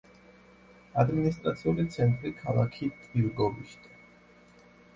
ადმინისტრაციული ცენტრი ქალაქი ტირგოვიშტე.